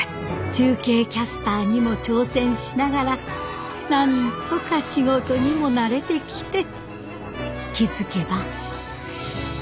中継キャスターにも挑戦しながらなんとか仕事にも慣れてきて気付けば。